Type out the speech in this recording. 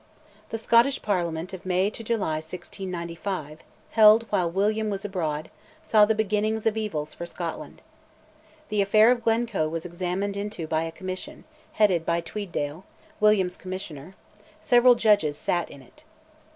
The Scottish Parliament of May July 1695, held while William was abroad, saw the beginning of evils for Scotland. The affair of Glencoe was examined into by a Commission, headed by Tweeddale, William's Commissioner: several Judges sat in it.